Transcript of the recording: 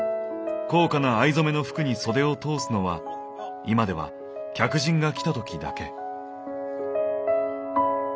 高価な藍染めの服に袖を通すのは今では客人が来た時だけ。